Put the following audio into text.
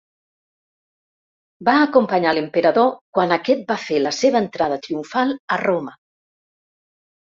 Va acompanyar a l'emperador quan aquest va fer la seva entrada triomfal a Roma.